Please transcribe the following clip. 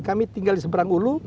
kami tinggal di seberang ulu